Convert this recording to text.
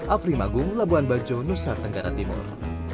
afri magung labuan bajo nusa tenggara timur